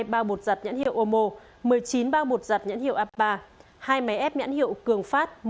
một trăm một mươi hai bao bột giặt nhãn hiệu omo một mươi chín bao bột giặt nhãn hiệu abba hai máy ép nhãn hiệu cường phát